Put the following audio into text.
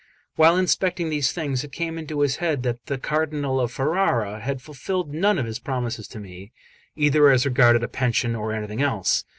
While inspecting these things, it came into his head that the Cardinal of Ferrara had fulfilled none of his promises to me, either as regarded a pension or anything else.